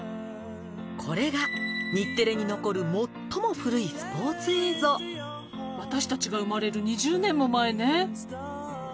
これが日テレに残る最も古いスポーツ映像私たちが生まれる２０年も前ねねぇ